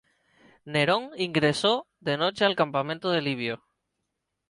Nerón ingresó de noche al campamento de Livio.